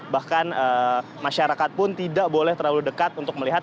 bahkan masyarakat pun tidak boleh terlalu dekat untuk melihat